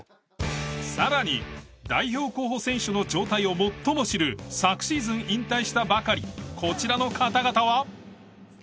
さらに代表候補選手の状態を最も知る昨シーズン引退したばかりこちらの方々は？